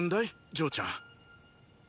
嬢ちゃん。